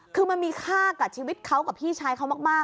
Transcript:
คือมันมีค่ากับชีวิตเขากับพี่ชายเขามาก